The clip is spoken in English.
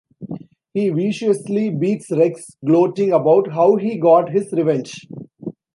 He viciously beats Rex, gloating about how he got his revenge.